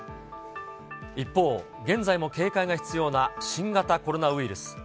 一方、現在も警戒が必要な新型コロナウイルス。